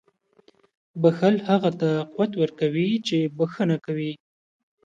• بښل هغه ته قوت ورکوي چې بښنه کوي.